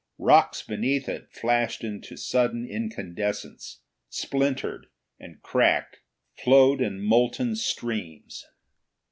Rocks beneath it flashed into sudden incandescence, splintered and cracked, flowed in molten streams.